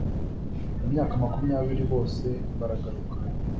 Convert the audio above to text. Mu myaka makumyabiri bose baragaruka